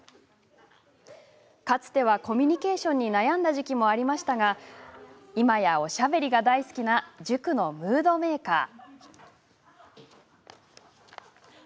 かつてはコミュニケーションに悩んだ時期もありましたが今やおしゃべりが大好きな塾のムードメーカー。